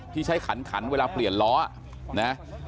ที่ใช้ขันขันเวลาเปลี่ยนล้อนะ